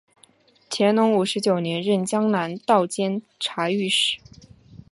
乾隆五十九年任江南道监察御史。